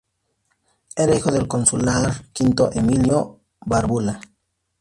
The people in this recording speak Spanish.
Era hijo del consular Quinto Emilio Bárbula.